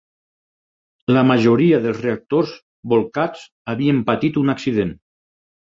La majoria dels reactors bolcats havien patit un accident.